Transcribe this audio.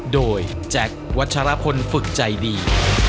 โดยแจ็ควัชรพลฝึกใจดี